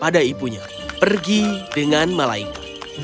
dia pergi dengan malaikat